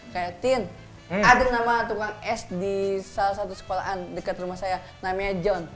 kayak tin ada nama tukang es di salah satu sekolahan dekat rumah saya namanya john